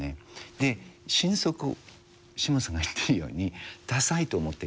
で心底シモさんが言ってるようにダサいと思ってるんですよね